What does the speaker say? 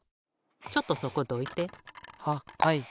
ちょっとそこどいて。ははい。